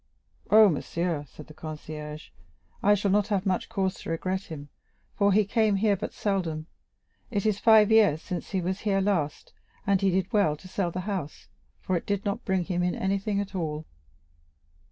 "Oh, monsieur," said the concierge, "I shall not have much cause to regret him, for he came here but seldom; it is five years since he was here last, and he did well to sell the house, for it did not bring him in anything at all."